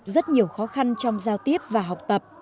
trang có rất nhiều khó khăn trong giao tiếp và học tập